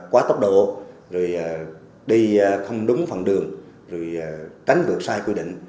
quá tốc độ đi không đúng phần đường đánh vượt sai quy định